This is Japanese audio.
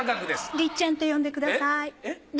りっちゃんって呼んでください。